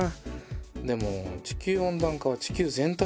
でも地球温暖化は地球全体の問題だし。